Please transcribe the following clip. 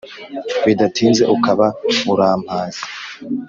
Bidatinze ukaba urampaze